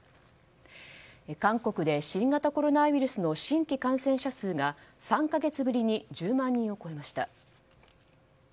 韓国で新型コロナウイルスの新規感染者数が３か月ぶりに１０万人を超えました。